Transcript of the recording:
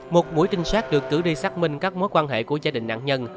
một buổi trinh sát được cử đi xác minh các mối quan hệ của gia đình nạn nhân